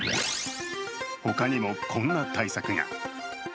他にも、こんな対策が。